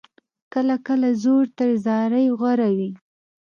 کله کله زور تر زارۍ غوره وي.